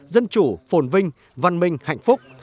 dân chủ phồn vinh văn minh hạnh phúc